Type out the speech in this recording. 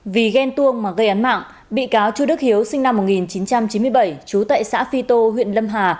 vì ghen tuông mà gây án mạng bị cáo chu đức hiếu sinh năm một nghìn chín trăm chín mươi bảy chú tại xã phi tô huyện lâm hà